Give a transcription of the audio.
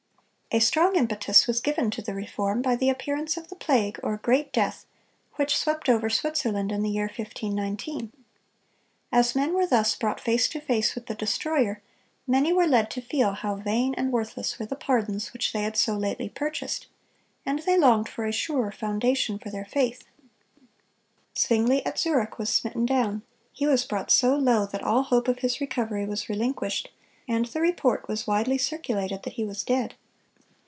A strong impetus was given to the reform by the appearance of the plague, or "great death," which swept over Switzerland in the year 1519. As men were thus brought face to face with the destroyer, many were led to feel how vain and worthless were the pardons which they had so lately purchased; and they longed for a surer foundation for their faith. Zwingle at Zurich was smitten down; he was brought so low that all hope of his recovery was relinquished, and the report was widely circulated that he was dead.